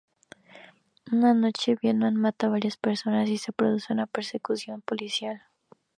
Una noche, Bateman mata a varias personas y se produce una persecución policial.